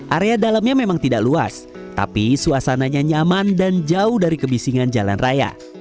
area dalamnya memang tidak luas tapi suasananya nyaman dan jauh dari kebisingan jalan raya